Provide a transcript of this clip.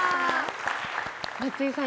松井さん